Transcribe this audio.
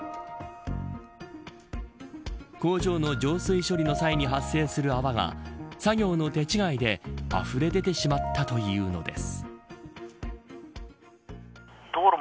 工場の浄水処理の際に発生する泡が作業の手違いであふれ出てしまったというのです。